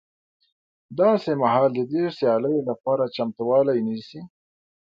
داسې مهال د دې سیالیو لپاره چمتوالی نیسي